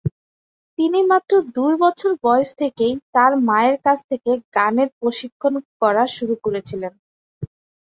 তিনি মাত্র দুই বছর বয়স থেকেই তার মায়ের কাছ থেকে গানের প্রশিক্ষণ গ্রহণ করা শুরু করেছিলেন।